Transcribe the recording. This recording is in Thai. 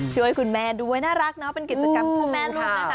ช่วยคุณแม่ด้วยน่ารักเนาะเป็นกิจกรรมคู่แม่ลูกนะคะ